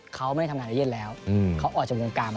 เขาไม่ได้ทำงานเอเยียนแล้วเขาออกจากวงการไป